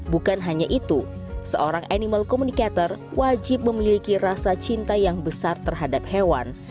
bukan hanya itu seorang animal communicator wajib memiliki rasa cinta yang besar terhadap hewan